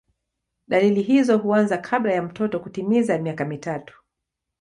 Dalili hizo huanza kabla ya mtoto kutimiza miaka mitatu.